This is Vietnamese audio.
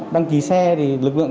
đăng ký xe thì lực lượng